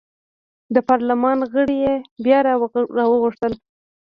د پارلمان غړي یې بیا راوغوښتل.